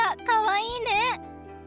かわいいね！